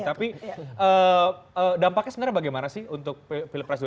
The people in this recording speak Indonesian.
tapi dampaknya sebenarnya bagaimana sih untuk pilpres dua ribu sembilan